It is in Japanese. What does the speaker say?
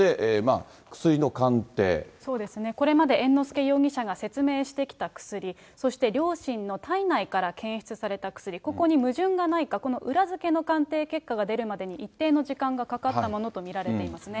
そうですね、これまで猿之助容疑者が説明してきた薬、そして両親の体内から検出された薬、ここに矛盾がないか、この裏付けの鑑定結果が出るまでに一定の時間がかかったものと見られていますね。